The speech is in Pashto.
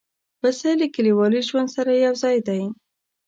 پسه له کلیوالي ژوند سره یو ځای دی.